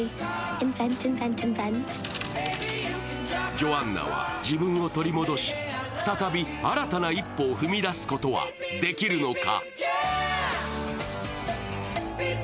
ジョアンナは自分を取り戻し、再び新たな一歩を踏み出すことはできるのか。